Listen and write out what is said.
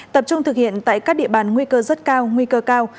tập trung thực hiện tại các địa bàn nguy cơ rất cao nguy cơ cao